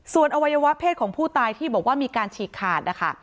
ส่วนอวัยวะเพศของผู้ตายที่บอกว่ามีการฉีกขาดนะคะ